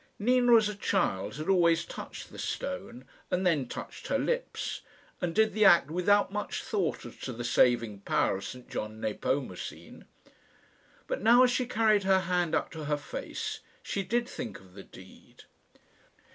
Nina, as a child, had always touched the stone, and then touched her lips, and did the act without much thought as to the saving power of St John Nepomucene. But now, as she carried her hand up to her face, she did think of the deed.